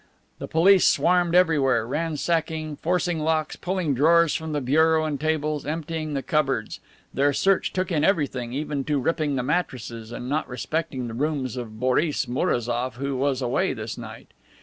The police swarmed everywhere, ransacking, forcing locks, pulling drawers from the bureau and tables, emptying the cupboards. Their search took in everything, even to ripping the mattresses, and not respecting the rooms of Boris Mourazoff, who was away this night.